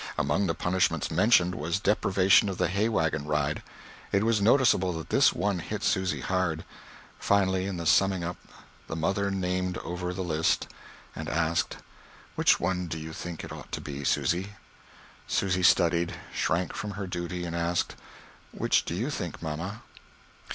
Among the punishments mentioned was deprivation of the hay wagon ride. It was noticeable that this one hit Susy hard. Finally, in the summing up, the mother named over the list and asked: "Which one do you think it ought to be, Susy?" Susy studied, shrank from her duty, and asked: "Which do you think, mamma?"